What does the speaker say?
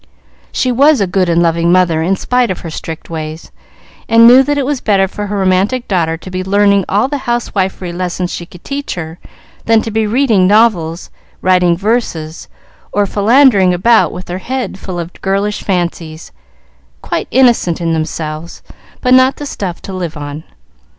She was a good and loving mother in spite of her strict ways, and knew that it was better for her romantic daughter to be learning all the housewifery lessons she could teach her, than to be reading novels, writing verses, or philandering about with her head full of girlish fancies, quite innocent in themselves, but not the stuff to live on.